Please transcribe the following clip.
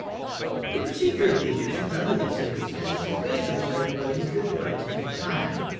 The procedure of the Egyptians under these circumstances is best illustrated by the history of the great temple of Karnak.